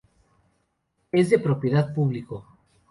Es de propiedad público.